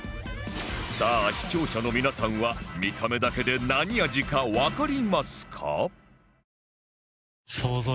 さあ視聴者の皆さんは見た目だけで何味かわかりますか？